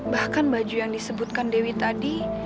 bahkan baju yang disebutkan dewi tadi